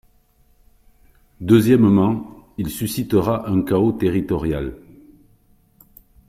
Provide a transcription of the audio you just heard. Deuxièmement, il suscitera un chaos territorial.